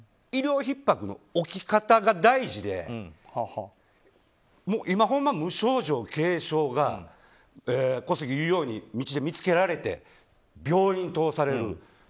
医療ひっ迫の起き方が大事で今、無症状、軽症が小杉が言うように見つけられて、病院通される。